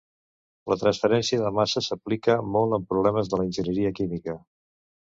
La transferència de massa s'aplica molt en problemes de l'enginyeria química.